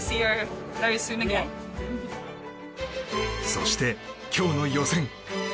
そして、今日の予選。